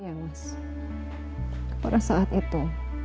ya mas pada saat itu